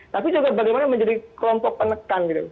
tapi juga bagaimana menjadi kelompok penekan gitu